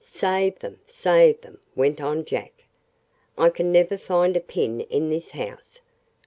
"Save them, save them," went on Jack. "I can never find a pin in this house.